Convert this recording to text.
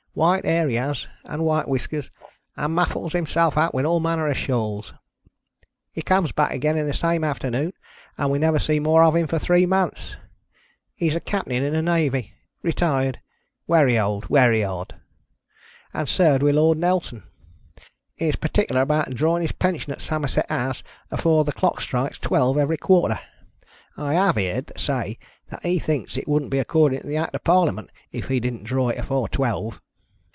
White hair he has, and white whiskers, and muffles himself up with all manner of shawls. He comes back again the same afternoon, and •we never see more of him for t'vyee months. He is a captain in the navy — retired — wery old — wery odd — and served with Lord Nelson. He is particular about drawing his pen sion at Somerset House afore the clock strikes twelve every quarter. I have heerd say that he thinks it wouldn't be according to the Act of Parliament, if he didn't draw it afore twelve."